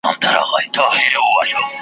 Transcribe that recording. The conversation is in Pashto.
وژني د زمان بادونه ژر شمعي .